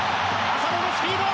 浅野のスピード！